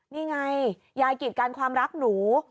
นี่ไงยายกีดกันความรักหนู